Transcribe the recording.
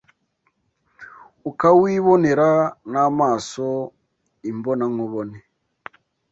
ukawibonera n’amaso imbona nkubone.